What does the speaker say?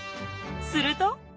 すると。